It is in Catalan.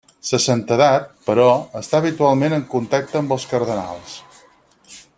Sa Santedat, però, està habitualment en contacte amb els cardenals.